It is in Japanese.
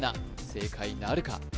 正解なるか？